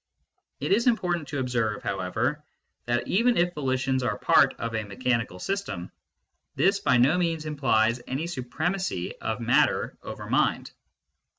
It is important to observe, however that even if volitions are part of a mechanical system, this by no means implies any supremacy of matter over mind.